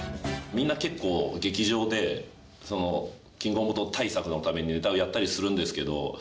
みんな結構劇場でキングオブコント対策のためにネタをやったりするんですけど。